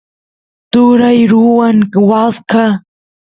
turay ruwan waska